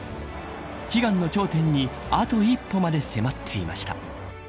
悲願の頂点にあと一歩まで迫っていました。